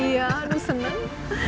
ya lu seneng